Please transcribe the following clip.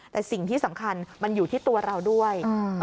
แต่สิ่งที่สำคัญมันอยู่ที่ตัวเราด้วย